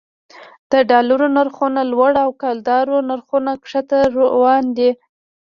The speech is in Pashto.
د ډالرو نرخونه لوړ او د کلدارو نرخونه ښکته روان دي